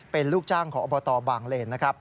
เป็นลูกจ้างของอบบางเลน